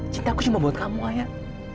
cinta aku cuma buat kamu ayah